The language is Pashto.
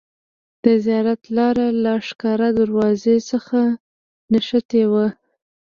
د زیارت لار له ښکار دروازې څخه نښتې وه.